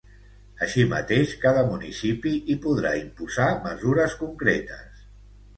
Així mateix, cada municipi hi podrà imposar mesures concretes.